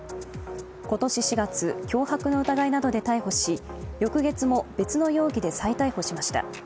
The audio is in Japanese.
今年４月脅迫の疑いなどで逮捕し、翌月も別の容疑で再逮捕しました。